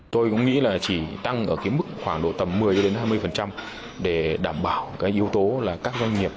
tôi cũng nghĩ là chỉ tăng ở cái mức khoảng độ tầm một mươi hai mươi để đảm bảo cái yếu tố là các doanh nghiệp